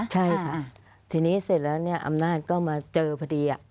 ใช่ค่ะทีนี้เสร็จแล้วเนี่ยอำนาจก็มาเจอพอดี